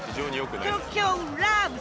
東京ラブ！